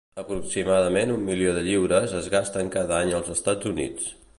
Aproximadament un milió de lliures es gasten cada any als Estats Units.